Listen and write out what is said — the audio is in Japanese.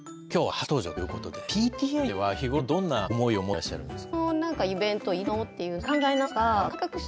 今日は初登場ということでＰＴＡについては日頃どんな思いを持ってらっしゃるんですか？